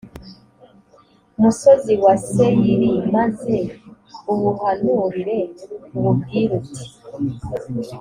musozi wa seyiri maze uwuhanurire uwubwire uti